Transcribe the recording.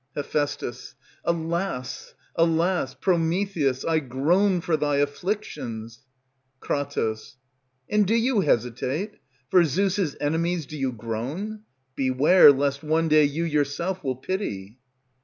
Heph. Alas! alas! Prometheus, I groan for thy afflictions. Kr. And do you hesitate? for Zeus' enemies Do you groan? Beware lest one day you yourself will pity.